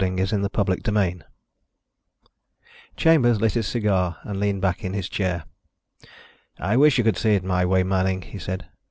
CHAPTER TWENTY ONE Chambers lit his cigar and leaned back in his chair. "I wish you could see it my way, Manning," he said.